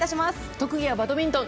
特技はバドミントン！